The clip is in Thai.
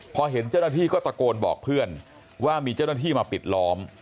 พอเห็นเจ้าหน้าที่ก็ตะโกนบอกเพื่อนว่ามีเจ้าหน้าที่มาปิดล้อม